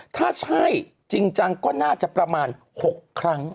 ถ้าใช่จริงจังก็น่าจะประมาณ๖ครั้ง